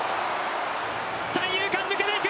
三遊間抜けていく！